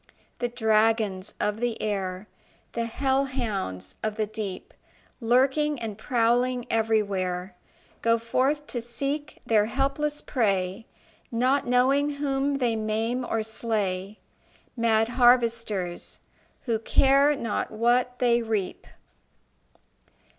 The dragons of the air, The hell hounds of the deep, Lurking and prowling everywhere, Go forth to seek their helpless prey, Not knowing whom they maim or slay Mad harvesters, who care not what they reap.